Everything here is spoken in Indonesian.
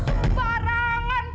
eh eh eh barangan